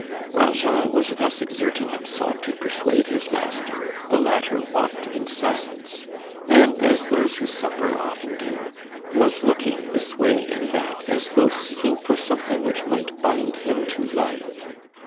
While Jean was thus exerting himself to persuade his master, the latter walked in silence, and, as those who suffer often do, was looking this way and that as though seeking for something which might bind him to life.